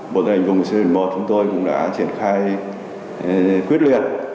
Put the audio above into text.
bộ tài hành vùng xuyên biển một chúng tôi cũng đã triển khai quyết liệt